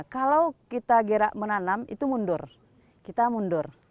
kalau kita gerak menanam itu mundur kita mundur